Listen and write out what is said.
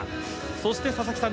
そして佐々木さん